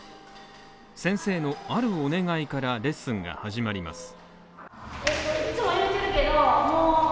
先生のあるお願いからレッスンが始まります。